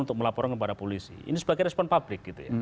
untuk melaporan kepada polisi ini sebagai respon publik